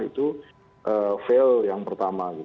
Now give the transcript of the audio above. itu fail yang pertama